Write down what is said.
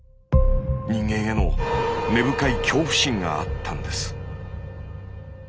人間への根深い恐怖心があったんです。